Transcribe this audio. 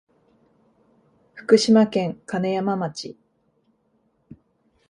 福島県金山町